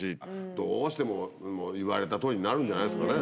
どうしても言われたとおりになるんじゃないですかね。